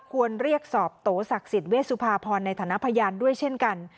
ควรเรียกสอบโตศักดิ์สิทธิเวสุภาพรในฐานะพยานด้วยเช่นกัน